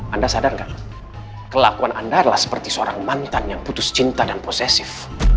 anda sadar nggak kelakuan anda adalah seperti seorang mantan yang putus cinta dan posesif